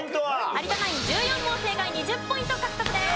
有田ナイン１４問正解２０ポイント獲得です。